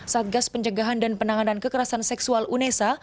satgas pencegahan dan penanganan kekerasan seksual unesa